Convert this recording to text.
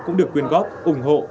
cũng được quyên góp ủng hộ